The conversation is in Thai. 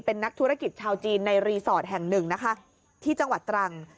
เป็นนักธุรกิจชาวจีนในรีสอร์ทแห่งหนึ่งนะคะที่จังหวัดตรัง